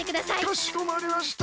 かしこまりました。